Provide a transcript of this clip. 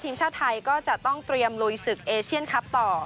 ทีมชาติไทยก็จะต้องเตรียมลุยศึกเอเชียนคลับต่อ